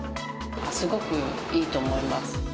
すごくいいと思います。